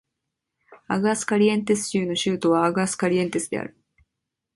アグアスカリエンテス州の州都はアグアスカリエンテスである